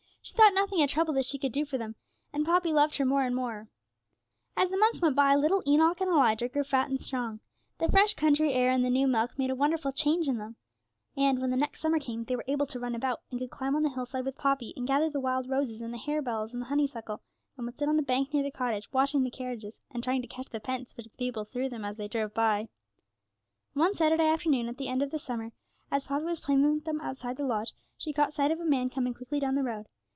she thought nothing a trouble that she could do for them, and Poppy loved her more and more every day. As the months went by, little Enoch and Elijah grew fat and strong; the fresh country air and the new milk made a wonderful change in them, and, when the next summer came, they were able to run about, and could climb on the hillside with Poppy, and gather the wild roses, and the harebells, and the honeysuckle, and would sit on the bank, near the cottage, watching the carriages, and trying to catch the pence which the people threw them as they drove by. One Saturday afternoon, at the end of the summer, as Poppy was playing with them outside the lodge, she caught sight of a man coming quickly down the road.